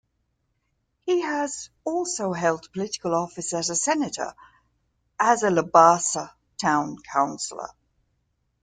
He has also held political office as a Senator, as a Labasa Town Councillor.